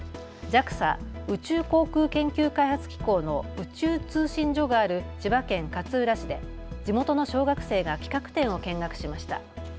ＪＡＸＡ・宇宙航空研究開発機構の宇宙通信所がある千葉県勝浦市で地元の小学生が企画展を見学しました。